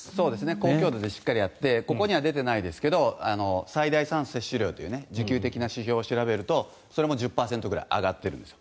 高強度でしっかりやってここには出てないですが最大酸素摂取量という持久的な指標を調べるとそれも１０％ぐらい上がってるんです。